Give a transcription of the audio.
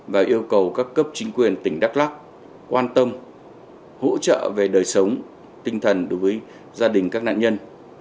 và yêu cầu các cấp chính quyền tỉnh đắk lắc quan tâm hỗ trợ về đời sống tinh thần đối với gia đình các nạn nhân